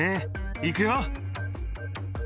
いくよ。